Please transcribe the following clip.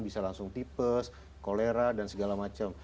bisa langsung tipes kolera dan segala macam